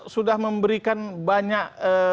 sudah memberikan banyak